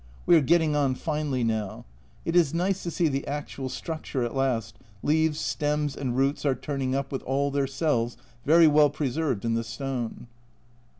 We are getting on finely now ; it is nice to see the actual structure at last, leaves, stems, and roots are turning up with all their cells very well preserved in the stone.